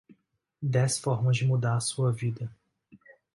Dez formas de mudar a sua vida